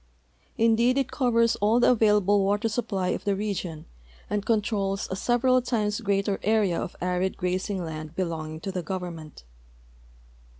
Indeed it covers all the available water siij) })1}' of the region and controls a several times greater area ol' arid grazing land l)elonging to the government.